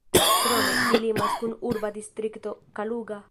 Krome, ĝi limas kun urba distrikto Kaluga.